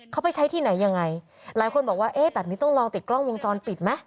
เขาไปใช้ที่ไหนยังไงหลายคนบอกว่าเอ๊ะแบบนี้ต้องลองติดกล้องวงจรปิดไหม